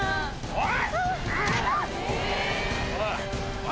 おい！